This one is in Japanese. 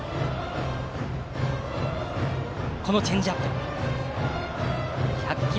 このチェンジアップ。